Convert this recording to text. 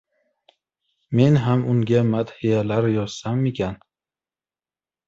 Men ham unga madhiyalar yozsammikan?